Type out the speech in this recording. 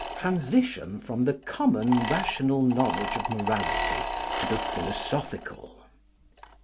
Transition from the common rational knowledge of morality to the philosophical.